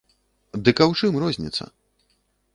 Дык а ў чым розніца?